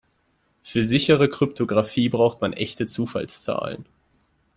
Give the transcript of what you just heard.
Für sichere Kryptographie braucht man echte Zufallszahlen.